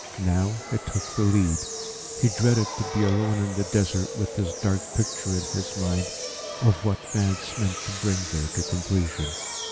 Now it took the lead. He dreaded to be alone in the Desert with this dark picture in his mind of what Vance meant to bring there to completion.